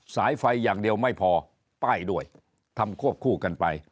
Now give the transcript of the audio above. สายไฟอย่างเดียวไม่พอป้ายด้วยทำควบคู่กันไป